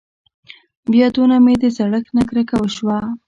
بيا دونه مې د زړښت نه کرکه وشوه.